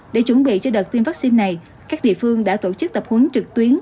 để chuẩn bị cho đợt tiêm vaccine này các địa phương đã tổ chức tập huấn trực tuyến